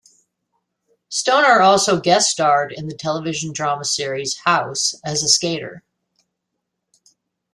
Stoner also guest-starred in the television drama series "House" as a skater.